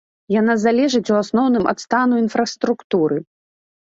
Яна залежыць у асноўным ад стану інфраструктуры.